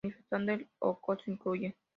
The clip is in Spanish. Manifestaciones del acoso incluyen.